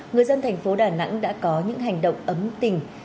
người dân thành phố đà nẵng đã có những hành động ấm tình